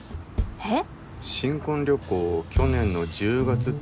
えっ？